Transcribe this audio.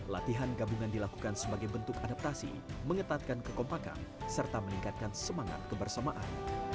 latihan gabungan dilakukan sebagai bentuk adaptasi mengetatkan kekompakan serta meningkatkan semangat kebersamaan